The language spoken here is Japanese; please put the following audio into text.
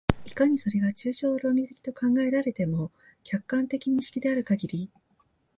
いかにそれが抽象論理的と考えられても、客観的認識であるかぎり、